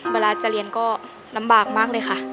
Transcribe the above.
เวลาจะเรียนก็ลำบากมากเลยค่ะ